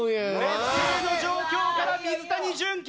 劣勢の状況から水谷隼逆転成功！